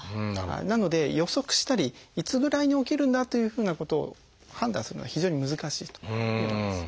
なので予測したりいつぐらいに起きるんだというふうなことを判断するのは非常に難しいと思います。